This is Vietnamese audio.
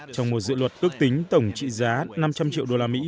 trong một dự luật ước tính tổng trị giá năm trăm linh triệu đô la mỹ